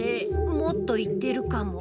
もっと行ってるかも。